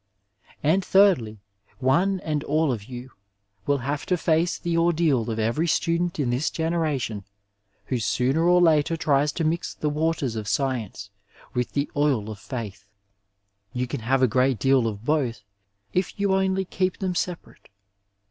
And thirdly, one and all of you will have to face the or deal of every student in this generation who sooner or later tries to mix the waters of science with the oil of fadth. Tou can have a great deal of both if you only keep them se parate.